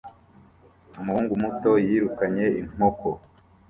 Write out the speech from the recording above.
umuhungu muto yirukanye inkoko